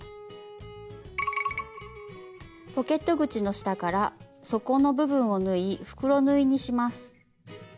ポケット口の下から底の部分を縫い袋縫いにします。